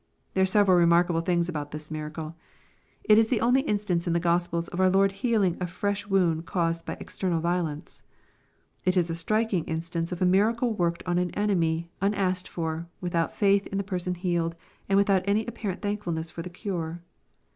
] There are several remarkable things about this miracle. It is the only instance in the Gospels of our Lord healing a fresh wound caused by external violence. It is a striking instance of a miracle worked on an enemy, un asked for, without faith in the person healed, and without any apparent thankfulness for the cure.